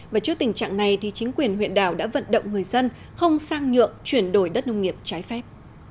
và trước tình trạng này thì chính quyền huyện đảo đã vận động người dân không sang nhượng chuyển đổi đất nông nghiệp trái phép